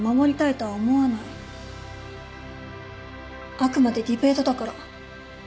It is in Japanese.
あくまでディベートだから。